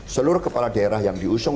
seluruh kepala daerah yang diusung